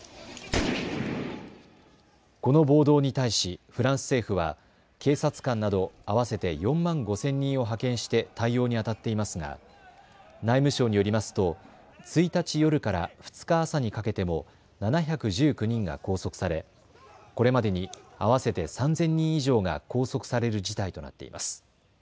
この暴動に対しフランス政府は警察官など合わせて４万５０００人を派遣して対応にあたっていますが内務省によりますと１日夜から２日朝にかけても７１９人が拘束されこれまでに合わせて３０００人以上が拘束される事態となっています。